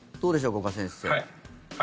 五箇先生。